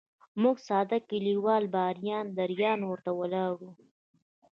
موږ ساده کلیوال به اریان دریان ورته ولاړ وو.